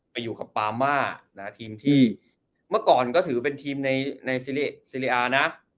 ไปอยู่กับปามาทีมที่เมื่อก่อนก็ถือเป็นทีมในซีเรียอานะ